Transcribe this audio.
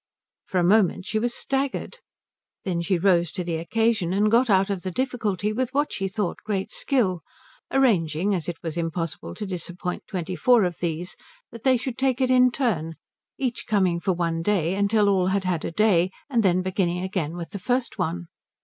For a moment she was staggered. Then she rose to the occasion and got out of the difficulty with what she thought great skill, arranging, as it was impossible to disappoint twenty four of these, that they should take it in turn, each coming for one day until all had had a day and then beginning again with the first one.